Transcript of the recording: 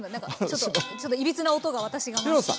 ちょっといびつな音が私が回し。